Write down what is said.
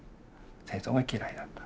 戦争が嫌いだった。